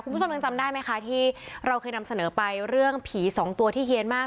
คุณผู้ชมยังจำได้ไหมคะที่เราเคยนำเสนอไปเรื่องผีสองตัวที่เฮียนมาก